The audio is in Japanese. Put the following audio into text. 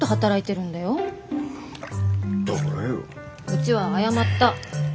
うちは謝った。